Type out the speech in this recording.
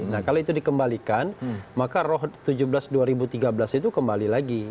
nah kalau itu dikembalikan maka roh tujuh belas dua ribu tiga belas itu kembali lagi